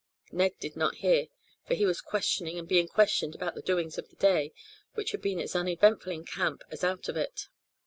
Ned did not hear, for he was questioning and being questioned about the doings of the day, which had been as uneventful in camp as out of it.